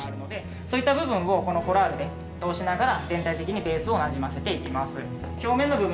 そういった部分をこのコラールで通しながら全体的にベースをなじませて行きます。